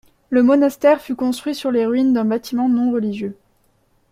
Le monastère fut construit sur les ruines d'un bâtiment non religieux.